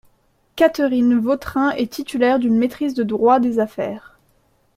Catherine Vautrin est titulaire d'une maîtrise de droit des affaires.